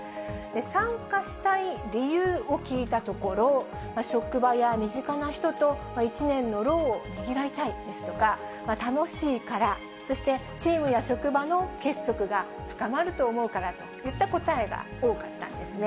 参加したい理由を聞いたところ、職場や身近な人と１年の労をねぎらいたいですとか、楽しいから、そして、チームや職場の結束が深まると思うからといった答えが多かったんですね。